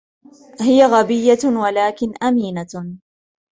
هي غبية, ولكن أمينة.